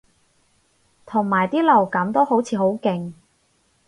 同埋啲流感都好似好勁